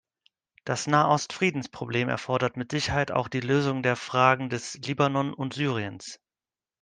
Das Nahost-Friedensproblem erfordert mit Sicherheit auch die Lösung der Fragen des Libanon und Syriens.